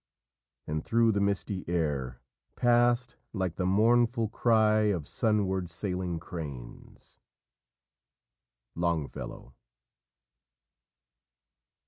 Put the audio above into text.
And through the misty air Passed like the mournful cry Of sunward sailing cranes." Longfellow.